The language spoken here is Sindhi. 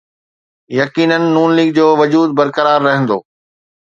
يقينن نون ليگ جو وجود برقرار رهندو.